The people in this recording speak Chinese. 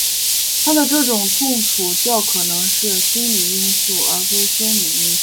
他的这种痛楚较可能是心理因素而非生理因素。